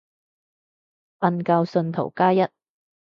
瞓覺信徒加一